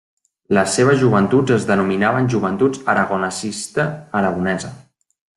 Les seves joventuts es denominaven Joventuts Aragonesista Aragonesa.